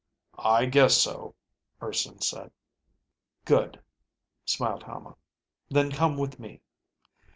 "I guess so," Urson said. "Good," smiled Hama. "Then come with me."